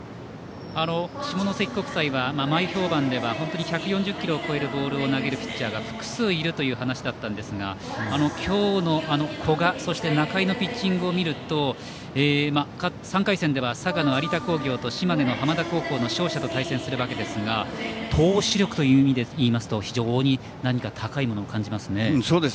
下関国際は、前評判では本当に１４０キロを超えるボールを投げるピッチャーが複数いるという話だったんですが今日の古賀そして仲井のピッチングを見ると３回戦では佐賀の有田工業と島根の高校の浜田高校の勝者と対戦するわけですが投手力という意味で言いますと非常に高いものを感じますね。